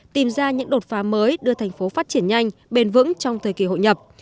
tìm ra những đột phá mới đưa tp hcm phát triển nhanh bền vững trong thời kỳ hội nhập